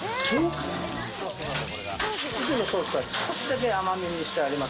うちのソースは少しだけ甘めにしてあります。